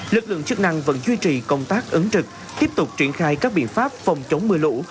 lực lượng chức năng vẫn duy trì công tác ứng trực tiếp tục triển khai các biện pháp phòng chống mưa lũ